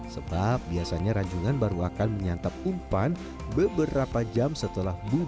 sebab biasanya ranjungan baru akan menyantap umpan beberapa jam setelah buka